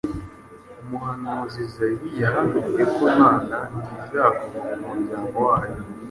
Umuhanuzi Izayi yahanuye ko Imana izagoboka umuryango wayo.